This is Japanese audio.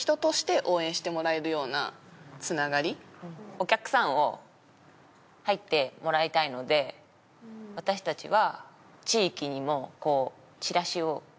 お客さんを入ってもらいたいので私たちは。